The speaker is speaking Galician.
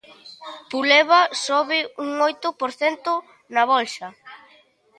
Puleva sobe un oito por cento na Bolsa.